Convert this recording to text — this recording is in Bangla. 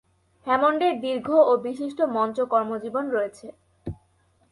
হ্যামন্ডের দীর্ঘ ও বিশিষ্ট মঞ্চ কর্মজীবন রয়েছে।